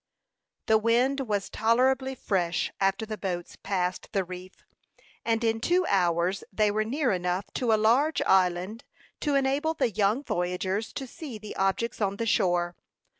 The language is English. The wind was tolerably fresh after the boats passed the reef, and in two hours they were near enough to a large island to enable the young voyagers to see the objects on the shore.